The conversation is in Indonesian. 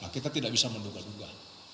kita tidak bisa menduga duga